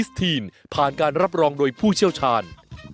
สักครู่ครับ